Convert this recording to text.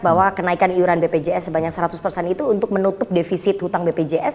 bahwa kenaikan iuran bpjs sebanyak seratus persen itu untuk menutup defisit hutang bpjs